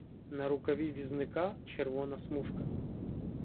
На рукаві візника — червона смужка.